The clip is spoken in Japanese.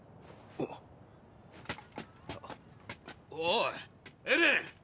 おおいエレン！